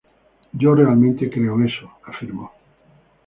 Yo realmente creo eso", afirmó.